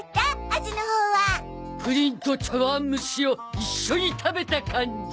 プリンと茶わんむしを一緒に食べた感じ。